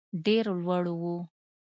ډېر لوړ وو.